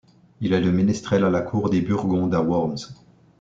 Il est le ménestrel à la cour des Burgondes à Worms.